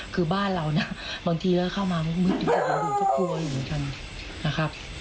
คือบ้านเรานะบางทีก็เข้ามามักมืดอยู่อยู่ทั่วครัวอยู่อยู่จังนะครับ